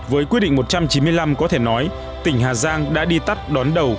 với quyết định một trăm chín mươi năm có thể nói tỉnh hà giang đã đi tắt đón đầu